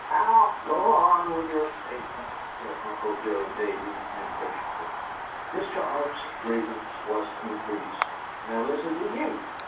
How " "Go on with your statement," said Uncle Joe Davey, impatiently. Mr. Arp's grievance was increased. "Now listen to YOU!